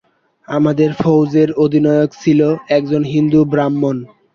আমাদের ফৌজের অধিনায়ক ছিল একজন হিন্দু ব্রাহ্মণ।